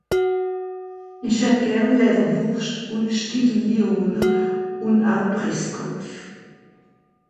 Isch hätt Garn Lawerwurscht un e Steckel Lyoner un au Presskopf